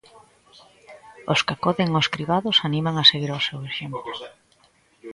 Os que acoden aos cribados animan a seguir o seu exemplo.